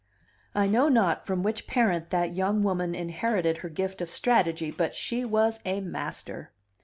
I know not from which parent that young woman inherited her gift of strategy, but she was a master.